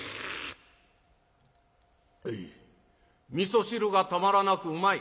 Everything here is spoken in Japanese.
「みそ汁がたまらなくうまい」。